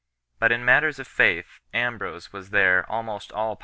But in matters of faith Ambrose was there almost all powerful, 1 E.